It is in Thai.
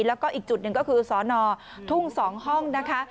แล้วก็อีกจุดหนึ่งก็คือสอนอทุ่ง๒ห้องนะคะ